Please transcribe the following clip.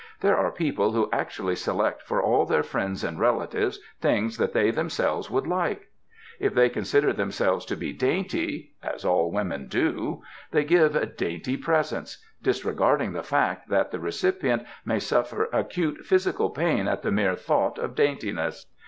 There are people who actually select for all their friends and relatives things that they themselves would like. If they consider themselves to be dainty — as all women do — they give dainty presents, disregarding the fact that the recipient may suffer acute physical pain at the mere thought of daintiness.